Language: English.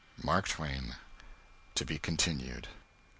MARK TWAIN. (_To be Continued.